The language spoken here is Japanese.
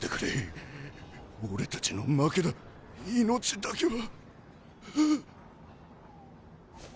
俺たちゃ負けだ命だけは。